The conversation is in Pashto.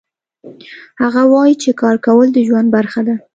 هغه وایي چې کار کول د ژوند برخه ده